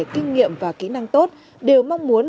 kinh nghiệm và kỹ năng tốt đều mong muốn